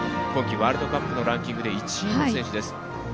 今季ワールドカップのランキングで１位の選手です。